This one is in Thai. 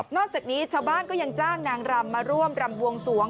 อกจากนี้ชาวบ้านก็ยังจ้างนางรำมาร่วมรำบวงสวง